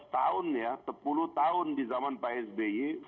lima belas tahun ya sepuluh tahun di zaman pak sby